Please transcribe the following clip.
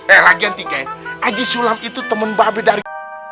eh lagi yang tinggal haji sulam itu temen mbak peh dari